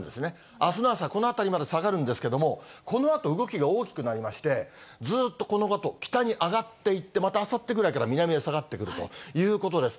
あすの朝、この辺りまで下がるんですけれども、このあと動きが大きくなりまして、ずっとこのあと、北に上がっていって、またあさってぐらいから南へ下がってくるということです。